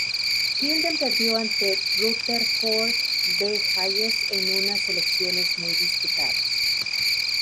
Tilden perdió ante Rutherford B. Hayes en unas elecciones muy disputadas.